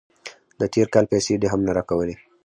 د تیر کال پیسې دې هم نه راکولې.